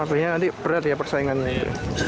artinya nanti berat ya persaingannya